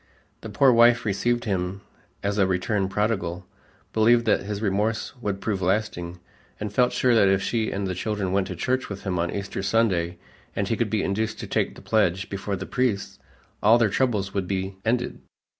The poor wife received him as a returned prodigal, believed that his remorse would prove lasting, and felt sure that if she and the children went to church with him on Easter Sunday and he could be induced to take the pledge before the priest, all their troubles would be ended.